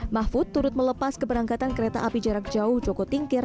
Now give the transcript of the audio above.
mahfud turut melepas keberangkatan kereta api jarak jauh joko tingkir